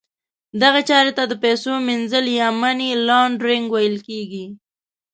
دغه چارې ته د پیسو پریمینځل یا Money Laundering ویل کیږي.